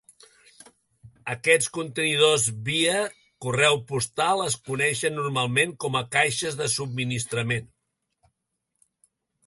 Aquests contenidors-via-correu postal es coneixen normalment com a "caixes de subministrament".